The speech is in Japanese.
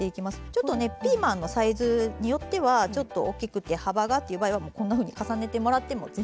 ちょっとねピーマンのサイズによってはちょっと大きくて幅がっていう場合はこんなふうに重ねてもらっても全然巻けるので。